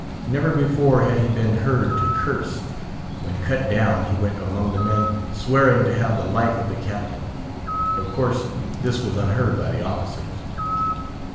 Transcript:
Never before had he been heard to curse. When cut down, he went among the men, swearing to have the life of the Captain. Of course, this was unheard by the officers.